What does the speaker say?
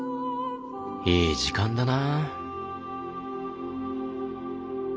いい時間だな。